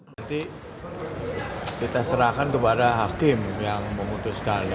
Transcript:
nanti kita serahkan kepada hakim yang memutuskan